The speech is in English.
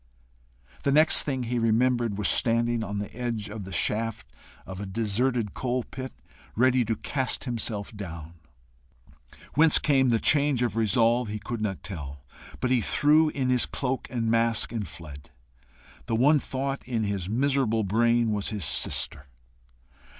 The next thing he remembered was standing on the edge of the shaft of a deserted coalpit, ready to cast himself down. Whence came the change of resolve, he could not tell, but he threw in his cloak and mask, and fled. The one thought in his miserable brain was his sister.